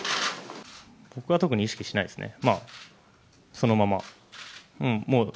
僕は特に意識しないですね。